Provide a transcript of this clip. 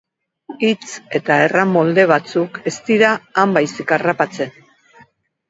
Hitz eta erran molde batzuk ez dira han baizik harrapatzen.